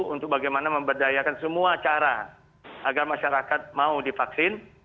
untuk bagaimana memberdayakan semua cara agar masyarakat mau divaksin